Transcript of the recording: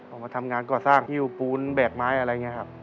ออกมาทำงานก่อสร้างหิ้วปูนแบกไม้อะไรอย่างนี้ครับ